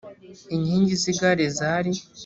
inkingi z’igare zari